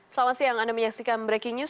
selamat siang anda menyaksikan breaking news